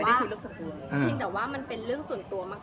เพียงแต่ว่ามันเป็นเรื่องส่วนตัวมาก